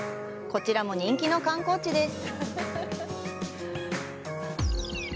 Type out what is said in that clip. こちらも人気の観光地です。